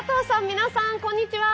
皆さんこんにちは。